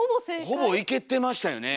ほぼいけてましたよね。